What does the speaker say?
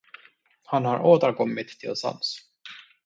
Han har återkommit till sans.